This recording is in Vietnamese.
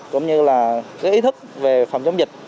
cũng như là cái ý thức về phòng chống dịch